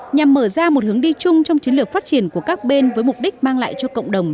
nhằm mở ra một hướng đi chung trong chiến lược phát triển của các bên với mục đích mang lại cho cộng đồng